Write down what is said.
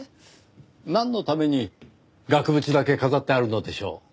なんのために額縁だけ飾ってあるのでしょう？